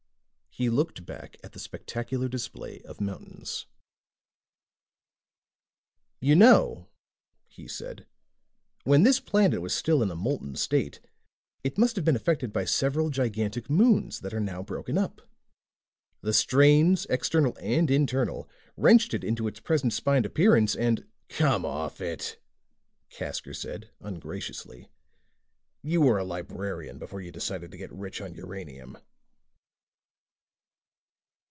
He looked back at the spectacular display of mountains. "You know," he said, "when this planet was still in a molten state, it must have been affected by several gigantic moons that are now broken up. The strains, external and internal, wrenched it into its present spined appearance and " "Come off it," Casker said ungraciously. "You were a librarian before you decided to get rich on uranium."